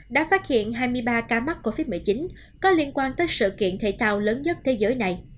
đã phát hiện hai mươi ba ca mắc covid một mươi chín có liên quan tới sự kiện thể thao lớn nhất thế giới này